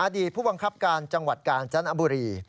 อดีตผู้บังคับการจังหวัดกาลจันทร์อบุรี